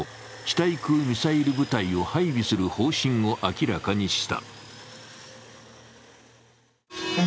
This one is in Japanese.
対空ミサイル部隊を配備する方針を明らかにした。